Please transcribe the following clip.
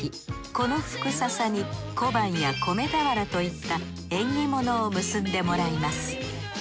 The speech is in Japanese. この福笹に小判や米俵といった縁起物を結んでもらいます。